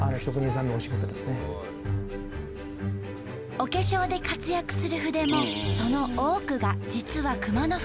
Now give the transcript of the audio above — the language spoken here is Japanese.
お化粧で活躍する筆もその多くが実は熊野筆。